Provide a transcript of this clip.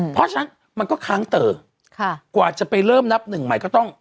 เพราะฉะนั้นมันก็ค้างเต๋อกว่าจะไปเริ่มนับหนึ่งใหม่ก็ต้อง